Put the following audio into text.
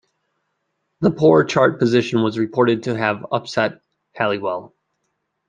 The poor chart position was reported to have upset Halliwell.